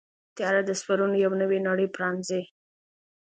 طیاره د سفرونو یو نوې نړۍ پرانیزي.